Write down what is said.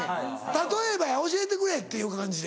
例えばや教えてくれっていう感じで。